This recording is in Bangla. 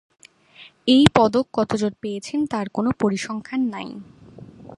এই পদক কতজন পেয়েছেন তার কোন পরিসংখ্যান নাই।